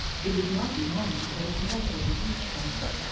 It would not be long before the conductor would reach them.